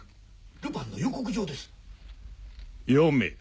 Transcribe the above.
・ルパンの予告状です・読め。